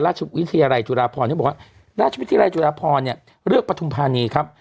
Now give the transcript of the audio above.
ราชวิทยาลัยจุฬาพรเนี่ยเลือกประธุมธานีครับ